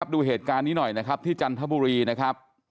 ดูเหตุการณ์นี้หน่อยนะครับที่จันทบุรีนะครับ